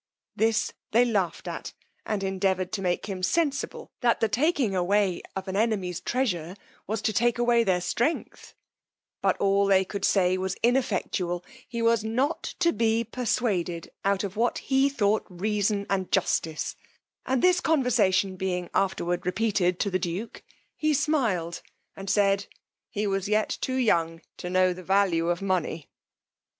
This they laughed at, and endeavoured to make him sensible, that the taking away an enemy's treasure was to take away their strength; but all they could say was ineffectual; he was not to be perswaded out of what he thought reason and justice: and this conversation being afterward repeated to the duke, he smil'd and said, he was yet too young to know the value of money.